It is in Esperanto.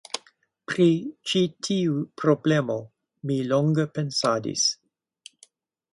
Pri ĉi tiu problemo mi longe pensadis.